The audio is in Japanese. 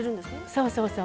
そうそうそう。